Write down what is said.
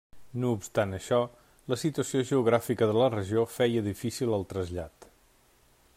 No obstant això, la situació geogràfica de la regió feia difícil el trasllat.